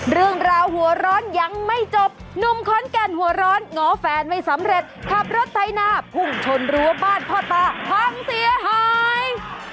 เรื่องราวหัวร้อนยังไม่จบหนุ่มขอนแก่นหัวร้อนง้อแฟนไม่สำเร็จขับรถไถนาพุ่งชนรั้วบ้านพ่อตาพังเสียหาย